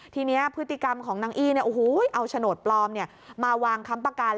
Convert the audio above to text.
ทีนี้พฤติกรรมของนางอี้เอาโฉนดปลอมมาวางค้ำประกัน